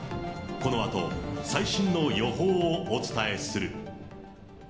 このあと最新の予報をお伝えする。